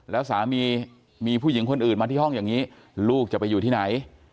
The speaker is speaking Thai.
แล้วสามีมีผู้หญิงคนอื่นมาที่ห้องอย่างนี้ลูกจะไปอยู่ที่ไหน